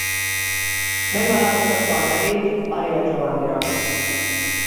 Megváltoztatta a nevét Aria Giovannira.